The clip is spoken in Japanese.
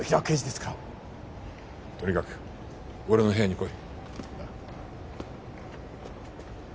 とにかく俺の部屋に来い。